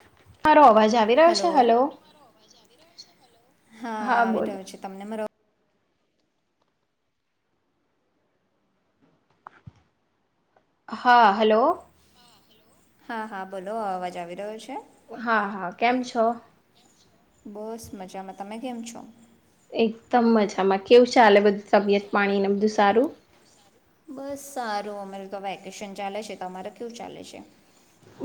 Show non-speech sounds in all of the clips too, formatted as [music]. [unintelligible] અવાજ [unintelligible] રહ્યો છે? હલો [unintelligible] હા આવી રહ્યો છે તમને મ હા હલો. હા હા બોલો અવાજ આવી રહ્યો છે. હા હા કેમ છો? બસ મજામાં તમે કેમ છો? એકદમ મજામાં કેવ ચાલે બધું તબિયત પાણી ને બધું સારું? બસ સારું અમારે તો વેકેશન ચાલે છે તો અમારે કેવુ ચાલે છે?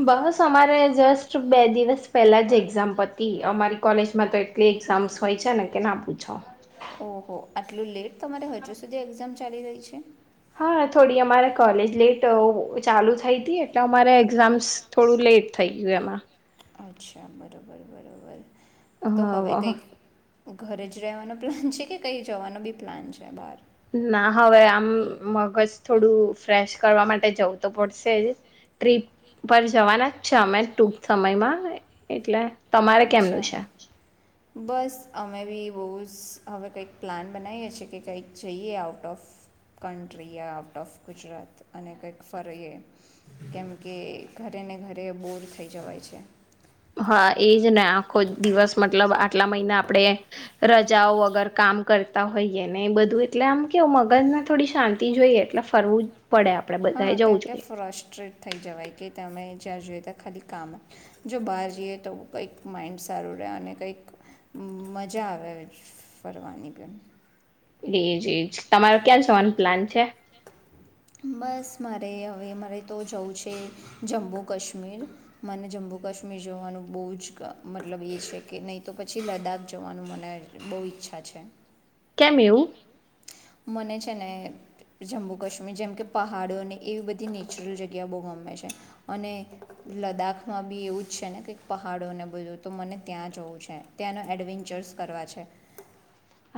બસ અમારે જસ્ટ બે દિવસ પહેલા જ એક્ઝામ પતી અમારી કોલેજમાં તો એટલી એક્ઝામ્સ હોય છે ને કે ના પૂછો! ઓહો આટલું લેટ? તમારે હજુ સુધી એક્ઝામ ચાલી રહી છે? હા થોડી અમારે કોલેજ લેટ ચાલુ થઈતી એટલે અમારે એક્ઝામ્ થોડું લેટ થઈ ગયું એમાં. અચ્છા બરાબર બરાબર! તો હવે કંઈક ઘરે જ રહેવાનો પ્લાન છે કે કંઈ જવાનો બી પ્લાન છે બહાર? ના હવે આમ મગજ થોડું ફ્રેશ કરવા માટે જવું તો પડશે જ ટ્રીપ પર જવાના જ છે અમે ટૂક સમયમાં એટલે તમારે કેમનું છે? બસ અમે બી બહુ જ હવે કંઈક પ્લાન બનાવીએ છીએ કે કંઈક જઈએ out of country out of Gujarat અને કંઈક ફરીએ કેમ કે ઘરે ને ઘરે બોર થઈ જવાય છે હા એજ ને આખો દિવસ મતલબ આટલા મહિના આપડણે રજાઓ વગર કામ કરતા હોઈએ ને એ બધું એટલે આમ કેવ મગજને થોડી શાંતિ જોઈએ એટલે ફરવું જ પડે આપડે બધાએ જવું જોઈએ થઈ જવાય કે તમે જ્યાં જોઈએ ત્યાં ખાલી કામ જો બહાર જઈએ તો કંઈક માઇન્ડ સારું રહે અને કંઈક મજા આવે ફરવાની પણ એજ એજ તમારો ક્યાં જવાનું પ્લાન છે બસ મારે હવે મારે તો જવું છે જમ્મુ કશ્મીર મને જમ્મુ કાશ્મીર જવાનું બહુ જ મતલબ એ છે કે નહીં તો પછી લદ્દાખ જવાનું મને બહુ ઈચ્છા છે કેમ એવું મને છે ને જમ્મુ કાશ્મીર જેમ કે પહાડોને એવી બધી નેચરલ જગ્યા બહુ ગમે છે અને લદ્દાખમાં બી એવું જ છે ને કે પહાડોને બધું તો મને ત્યાં જવું છે ત્યાંનો એડવેન્ચર્સ કરવા છે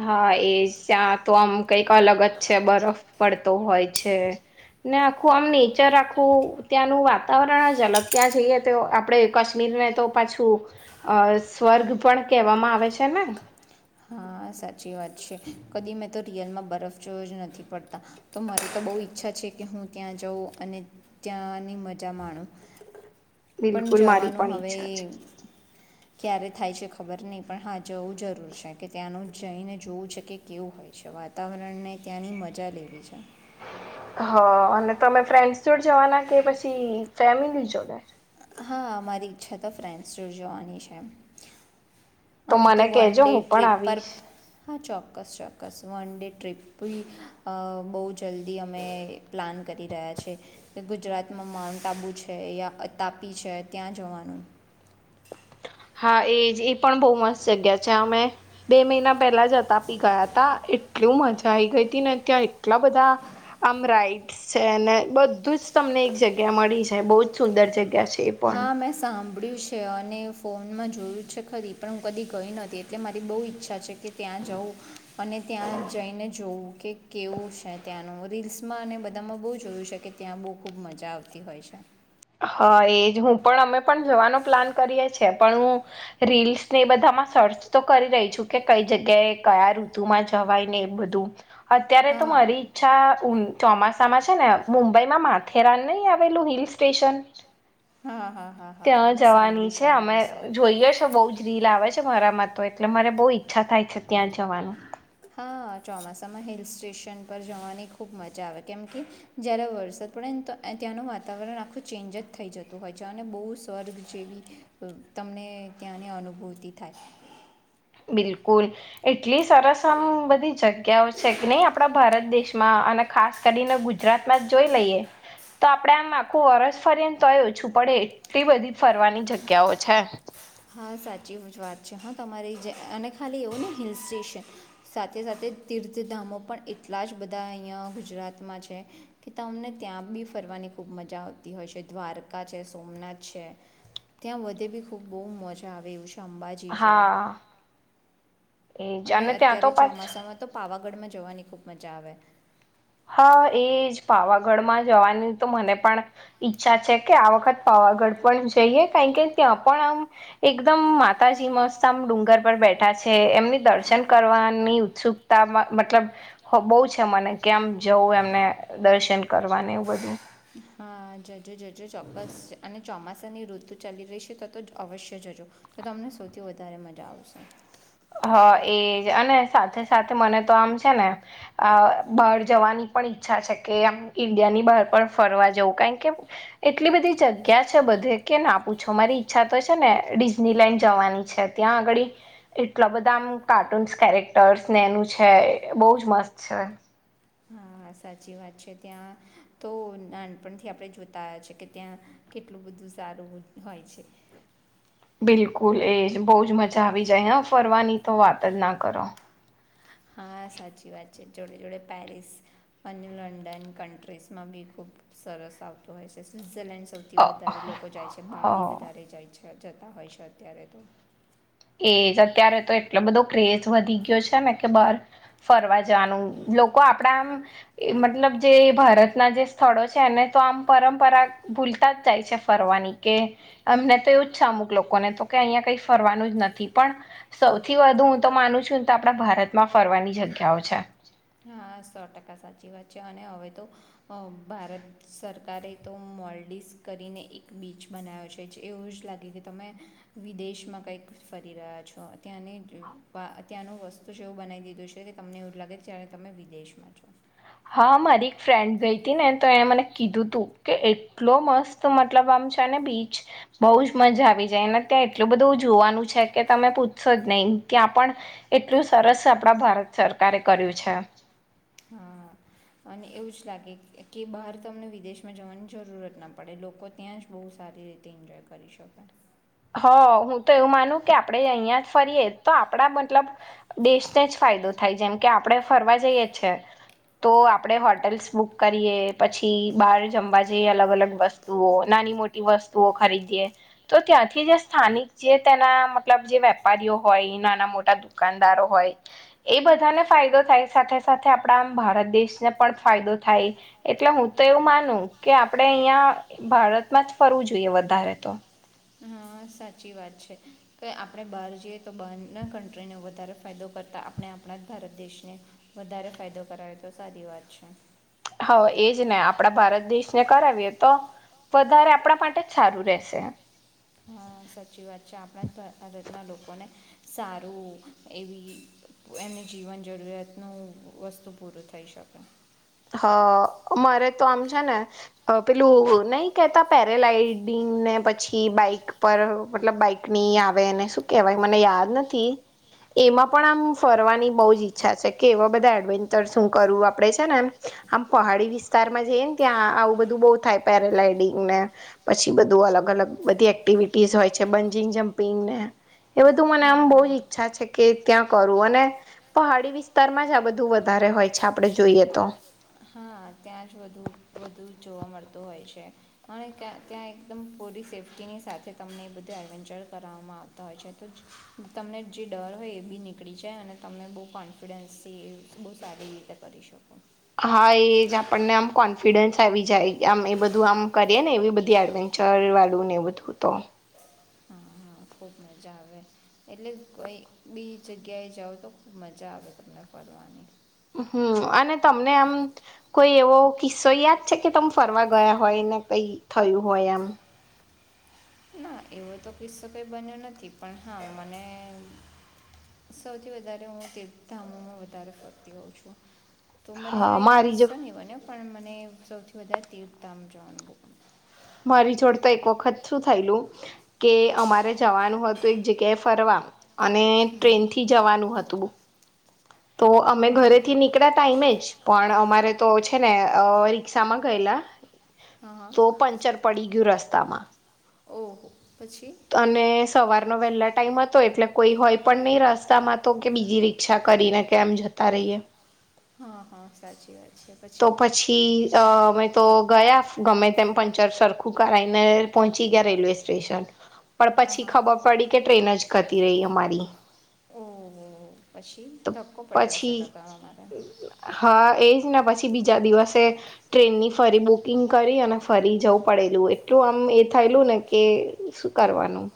હા એ ચ તો આમ કંઈક અલગ જ છે બરફ પડતો હોય છે ને આખું આમ નેચર આખું ત્યાંનું વાતાવરણ જ અલગ ત્યાં જઈએ તો આપણે કાશ્મીરને તો પાછું અ સ્વર્ગ પણ કહેવામાં આવે છે ને હા સાચી વાત છે કદી મેં તો રિયલમાં બરફ જોયો જ નથી પડતા તો મારી તો બહુ ઈચ્છા છે કે હું ત્યાં જાઉં અને ત્યાંની મજા માણું બિલકુલ મારી પણ ઈચ્છા છે ક્યારે થાય છે ખબર નહીં પણ હા જવું જરૂર છે કે ત્યાંનું જઈને જોવું છે કે કેવું હોય છે વાતાવરણને ત્યાંની મજા લેવી છે હા અને તમે ફ્રેન્ડસ જોડ જવાના કે પછી ફેમિલી જોડે હા મારી ઈચ્છા તો ફ્રેન્ડ સૂર જોવાની છે તો મને કજો હું પણ આવીશ હા ચોક્કસ ચોક્કસ વન ડે ટ્રીપ બ બહુ જલ્દી અમે પ્લાન કરી રહ્યા છે કે ગુજરાતમાં માઉન્ટ આબુ છે યા અતાપી છે ત્યાં જવાનું હા એ જ એ પણ બહુ મસ્ત જગ્યા છે અમે બે મહિના પહેલા જતાપી ગયા ત એટલું મજા આઈ ગઈ હતી ને ત્યાં એટલા બધા આમ રાઈડસ છે ને બધું જ તમને એક જગ્યા મળી છે બહુ જ સુંદર જગ્યા છે હા મે સાં પડ્યું છે અને ફોનમાં જોયું છે ખરી પણ હું કદી ગઈ નહોતી એટલે મારી બહુ ઈચ્છા છે કે ત્યાં જઉં અને ત્યાં જઈને જોઉું કે કેવું છે ત્યાંનું રીલ્સમાં અને બધામાં બહુ જોયું છે કે ત્યાં બહુ ખૂબ મજા આવતી હોય છે હા એજ હું પણ અમે પણ જવાનો પ્લાન કરીએ છ છેએ પણ હું રીલ્સ ને એ બધામાં સર્ચ તો કરી રહી છું કે કઈ જગ્યાએ કયા ઋતુમાં જવાય ને એ બધું અત્યારે તો મારી ઈચ્છા ચોમાસામાં છે ને મુંબઈમાં માથેરાન નહી આવેલું હિલ્સ સેશન ત્યાં જવાની છે અમે જોઈએ છે બહ જ રીલ આવે છે મારા માં તો એટલે મને બહુ ઈચ્છા થાય છે ત્યાં જવાનું ચોમાસામાં હિલ સ્ટેશન પર જવાની ખૂબ મજા આવે કેમ કે જ્યારે વરસાદ પડે ત્યાંનું વાતાવરણ આખું ચેન્જ જ થઈ જતું હોય છે અને બહુ સ્વર્ગ જેવી તમને ત્યાંની અનુભૂતિ થાય બિલકુલ એટલી સરસ આમ બધી જગ્યાઓ છે કે નહી આપડા ભારત દેશમાં અને ખાસ કરીને ગુજરાતમાં જ જોઈ લઈએ તો આપડે આમ આખું વરસ ફરી ને તોય ઓછું પડે એટલી બધી ફરવાની જગ્યાઓ છે હા સાચી જ વાત છે હા તમારી જે અને ખાલી એવું ને હિલ સ્ટેશન સાથે સાથે તીર્થધામો પણ એટલા જ બધા અહીંયા ગુજરાતમાં છે કે તમને ત્યાં બી ફરવાની ખૂબ મજા આવતી હોય છે દ્વારકા છે સોમનાથ છે ત્યાં વધે બી ખૂબ બહુ મજા આવેું છે અંબાજી છે અને અત્યારે ચોમાસામાં તો પાવાગઢમાં જોવાની ખૂબ મજા આવે હા એજ પાવાગઢમાં જવાની તો મને પણ ઈચ્છા છે કે આ વખત પાવાગઢ પણ જઈએ કારણ કે ત્યાં પણ આમ એકદમ માતાજી મસ્ત આમ ડુંગર પર બેઠા છે એમની દર્શન કરવાની ઉત્સુકતા મતલબ બહુ છે મને કેમ જવું એમને દર્શન કરવાનું એવું બધું હા જય જજ જજ ચોક્કસ અને ચોમા સાની ઋતુ ચાલી રહી છે તો તો અવશ્ય જજો, તો તમને સૌથી વધારે મજા આવશે. હા એજ અને સાથે સાથે મને તો આમ છે ને આ બહાર જવાની પણ ઈચ્છા છે કે આમ ઈન્ડિયા ની બહાર પણ ફરવા જવું, કાઇકે એટલી બધી જગ્યા છે બધે કે ને પૂછો મારી ઈચ્છા તો છે ને ડિઝનીલેન્ડ જવાની છે, ત્યાં આગળી એટલા બધા આમ કાર્ટૂન્સ કેરેક્ટર્સ ને એનું છે, બઉ જ મસ્ત છે. હા સાચી વાત છે ત્યાં તો નાનપણથી આપણે જોતા આયા છે કે ત્યાં કેટલું બધું સારું હોય છે. બિલકુલ એજ, બહુ જ મ ઝા આવી જાય હ ફરવાની તો વાત જ ના કરો. હા સાચી વાત છે, જોડે જોડે પેરિસ અને લંડન કન્ટ્રીઝમાં બી ખુબ સરસ આવતું હોય છે, સ્વિઝરલેન્ડ સૌથી વધારે લોકો જાય છે, બાલી વધારે જાય છે. ત્યા જતા હોય છે અત્યારે તો. એજ, અત્યારે તો એટલો બધો ક્રેઝ વધી ગ્યો છે ને કે બાહર ફરવા જવાનું લોકો આપડા આમ મતલબ જે ભારતના જે સ્થળો છે એને તો આમ પરંપરા ભૂલતા જ જાય છે ફરવાની કે અમને તો એવું જ છે અમુક લોકોને તો કે અહીયા કઈ ફરવાનું જ ન થી પણ સૌથી વધુ હું તો માનું છું ન તો આપણા ભારતમાં ફરવાની જગ્યાઓ છે. હા સો ટકા સાચી વાત છે અને હવે તો અ ભારત સરકારે તો મોલ્ડીઝ કરીને એક બીચ બનાવ્યો છે, એવું જ લાગે કે તમે વિદેશમાં કંઈક ફરી રહ્યા છો, ત્યાંની વ ત્યાંનું વસ્તુ જેવું બનાવી દીધું છે કે તમને એવું લાગે જ્યારે તમે વિદેશમાં છો. હા મારી એક ફ્રેન્ડ ગઈ હતી ને તો એણે મને કીધું તું, કે એટલો મસ્ત મતલબ આમ છેને બીચ બહુ જ મજા આવી જાય અને ત્યાં એટલું બધું જોવાનું છે કે તમે પૂછશો જ નહીં ત્યાં પણ એટલું સરસ આપડા ભારત સરકારે કર્યું છે. હા અને એવું જ લાગે કે બહાર તમને વિદેશમાં જવાની જરૂરત ના પડે લોકો ત્યાં જ બહુ સારી રીતે એન્જોય કરી શકે. હ, હું તો એવું માનું કે આપડણે અહિયાં જ ફરીયએ તો આપણા મતલબ દેશને જ ફાયદો થાય જેમ કે આપણે ફરવા જઈએ છે, તો આપણે હોટલ્સ બુક કરીએ, પછી બાર જમવા જઈએ અલગ અલગ વસ્તુઓ, નાની મોટી વસ્તુઓ ખરીદીએ, તો ત્યાંથી જે સ્થાનિક જે તેના મતલબ જે વેપારીઓ હોય, નાના મોટા દુકાનદારો હોય એ બધાને ફાયદો થાય સાથે સાથે આપણા આમ ભારત દેશને પણ ફાયદો થાય, એટલે હું તો એવું માનું કે આપણે અઇયા ભારતમાં જ ફરવું જોઈએ વધારે તો. હ સાચી વાત છે કે આપણે બહાર જઈએ તો બહારના કન્ટ્રીને વધારે ફાયદો કરતા આપણે આપણા જ ભારત દેશને વધારે ફાયદો કરાવે તો સારી વાત છે. હ એ જ ને આપણા ભારત દેશને કરાવીએ તો વધારે આપણા માટે જ સારું રેહશે. હા સાચી વાત છે, આપણા જ ભારતના લોકોને સારું એવી એમની જીવન જરૂરિયાતનું વસ્તુ પૂરું થઈ શકે. હ મારે તો આમ છે ને પેલું નઈ કેહેતા પેરાલાઈડિંગને પછી બાઈક પર મતલબ બાઈકની આવેને શું કેહેવાય મને યાદ નથી, એમાં પણ આમ ફરવાની બહુ જ ઈચ્છા છે કે એવા બધા એડવેન્ચર હું કરુ આપડે છે ને એમ આમ પહાડી વિસ્તારમાં જઈએ ને ત્યાં આવું બધું બઉ થાય પેરાગ્લાઈડિંગ ને પછી બધું અલગ અલગ બધી એક્ટિવિટીઝ હોય છે, બંજિંગ જમ્પિંગ ને એ બધું મને આમ બહુ જ ઈચ્છા છે કે ત્યાં કરું અને પહાડી વિસ્તારમાં જ આ બધું વધારે હોય છે આપડે જોઈએ તો. ત્યાં જ વધુ વધુ જોવા મળતો હોય છે, અને યાં ત્યાં એકદમ પૂરી સેફ્ટીની સાથે તમને એ બધું એડવેન્ચર કરાવવામાં આવતા હોય છે તો જ તમને જે ડર હોય એ બી નીકળી જાય અને તમે બહુ કોન્ફિડન્સથી એ બહુ સારી રીતે કરી શકો. હા એ જ આપણને આમ કોન્ફિડન્સ આવી જાય આમ એ બધું આમ કરીએ ને એવી બધી એડવેન્ચર વાળું ને એ બધું તો. ખૂબ મજા આવે, એટલે કોઈ બી જગ્યાએ જાઓ તો ખૂબ મજા આવે તમને ફરવાની. હમ્મ, અને તમને આમ કોઈ એવો કિસ્સો યાદ છે કે તમ ફરવા ગયા હોય ને કઈ થયું હોય એમ? ના એવો તો કિસ્સો કઈ બન્યો નથી, પણ હા મને સૌથી વધારે હું તીર્થધામોમાં વધારે કરતી હોઉં છું. તો મરી જોડે એવો કિસ્સો ની બન્યો. પણ મને સૌથી વધારે તીર્થતામ જવાનુ બો ગમે. મારી જોડ તો એક વખત સુ થયેલું, કે અમારે જવાનું હતું એક જગ્યાએ ફરવા અને ટ્રેનથી જવાનું હતું. તો અમે ઘરેથી નીકળ્યા ટાઈમે જ પણ અમા રે તો છે ને અ રિક્ષામાં ગયલા તો પંચર પડી ગયું રસ્તામાં. તને સવાર નો વેહલા ટાઈમ હતો એટલે કોઈ હોય પણ નહી રસ્તામાં તો કે બીજી રિક્ક્ષા કરીને કે આમ જતા રહીએ. હા હા સાચી વાત તો પછી અ અમે તો ગયા ગમે તેમ પંચર સરખું કરાઈને પહોંચી ગયા રેલવે સ્ટેશન પણ પછી ખબર પડી કે ટ્રેન જ ઘતી રહી અમારી તો પછી હા એજ ને પછી દિવસે ટ્રેનની ફરી બુકિંગ કરી અને ફરી જવું પડેલું એટલું આમ એ થયેલું ને કે શું કરવાનું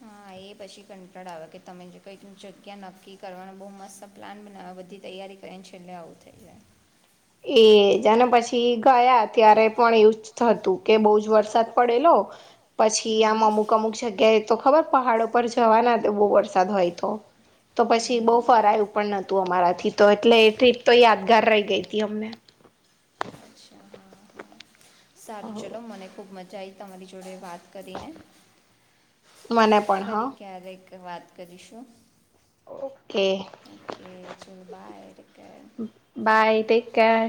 હા એ પછી કંટાળ આવે કે તમે જે કઈક જગ્યા નક્કી કરવાનો બહુ મસ્ત પ્લાન બનાવ બધી તૈયારી કરે છે એટલે આવું થઇ જાય એ જાને પછી ગયા ત્યારે પણ એવું જ હતું કે બહુ જ વરસાદ પડેલો પછી આમ અમુક અમુક જગ્યાએ તો ખબર પહાડો પરર જવા ના દે બહું વરસાદ હોય તો તો પછી બહું ફરયું પણ નતું અમારાથી તો એટલે એ ટ્રીપ તો યાદગાર રહી ગઈ હતી અમને સારું ચલો મને ખુબ મજા જઈ તમારી જોડે વાત કરીને મને પણ હા તો વાત કરીશું ઓ બાય ટેક કેર